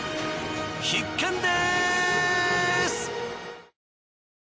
必見です！